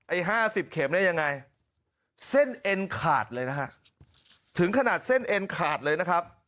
๕๐เข็มเนี่ยยังไงเส้นเอ็นขาดเลยนะฮะถึงขนาดเส้นเอ็นขาดเลยนะครับ